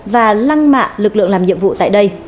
và lăng mạ lực lượng làm nhiệm vụ tại đây